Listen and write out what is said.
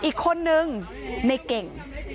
อีกคนนึงในเก่ง